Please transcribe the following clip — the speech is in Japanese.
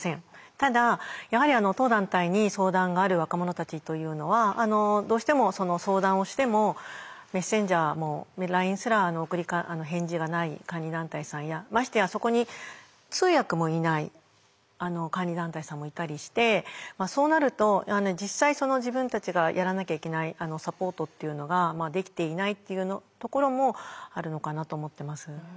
ただやはり当団体に相談がある若者たちというのはどうしてもその相談をしてもメッセンジャーもＬＩＮＥすら返事がない監理団体さんやましてやそこに通訳もいない監理団体さんもいたりしてそうなると実際自分たちがやらなきゃいけないサポートっていうのができていないっていうところもあるのかなと思ってます。